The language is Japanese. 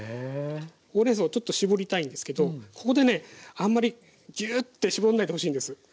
ほうれんそうをちょっと絞りたいんですけどここでねあんまりギューッて絞んないでほしいんです。